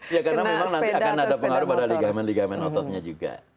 ya karena memang nanti akan ada pengaruh pada ligamen legaman ototnya juga